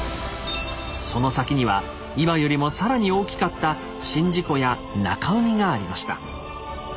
その先には今よりも更に大きかった宍道湖や中海がありました。